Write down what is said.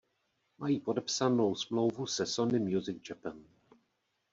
Mají podepsanou smlouvu se Sony Music Japan.